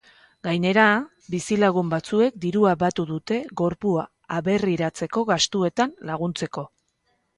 Gainera, bizilagun batzuek dirua batu dute gorpua aberriratzeko gastuetan laguntzeko.